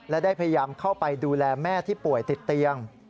และได้พยายามเข้าไปดูแลแม่ที่ป่วยติดเตียง